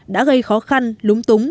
đã gây khó khăn lúng túng